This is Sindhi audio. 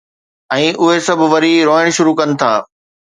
۽ اهي سڀ وري روئڻ شروع ڪن ٿا.